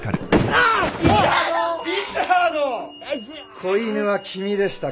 子犬は君でしたか。